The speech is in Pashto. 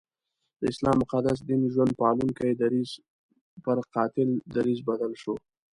د اسلام مقدس دین ژوند پالونکی درځ پر قاتل دریځ بدل شو.